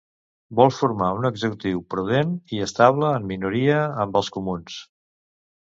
Vol formar un executiu prudent i estable en minoria amb els comuns.